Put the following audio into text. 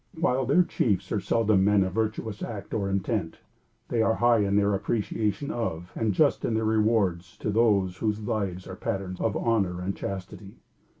While their chiefs are seldom men of virtuous act or intent, they are high in their appreciation of, and just in their rewards to those whose lives are patterns of honor and chastity.